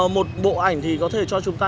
một bộ ảnh thì có thể cho chúng ta